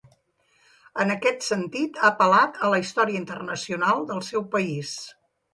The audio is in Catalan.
En aquest sentit ha apel·lat a la història ‘internacional’ del seu país.